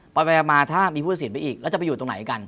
ไปมาถ้ามีพุทธศิลป์ไปอีกแล้วจะไปอยู่ตรงไหนกัน